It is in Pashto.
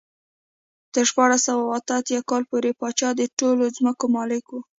تر شپاړس سوه اته اتیا کال پورې پاچا د ټولو ځمکو مالک و.